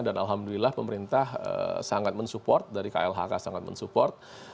dan alhamdulillah pemerintah sangat mensupport dari klhk sangat mensupport